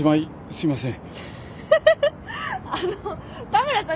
すいません。